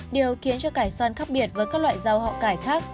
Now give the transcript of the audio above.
điều khiến cho cải son khác biệt với các loại rau họ cải khác